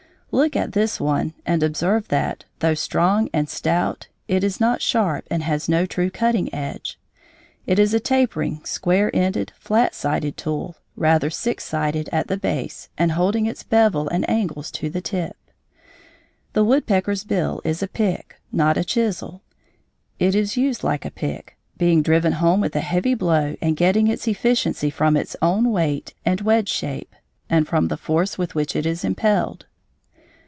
Look at this one and observe that, though strong and stout, it is not sharp and has no true cutting edge. It is a tapering, square ended, flat sided tool, rather six sided at the base and holding its bevel and angles to the tip. The woodpecker's bill is a pick, not a chisel. It is used like a pick, being driven home with a heavy blow and getting its efficiency from its own weight and wedge shape and from the force with which it is impelled.